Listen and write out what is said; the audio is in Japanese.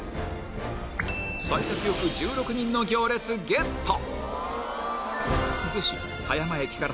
幸先よく１６人の行列ゲット